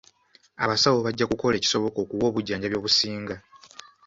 Abasawo bajja kukola ekisoboka okuwa obujjanjabi obusinga.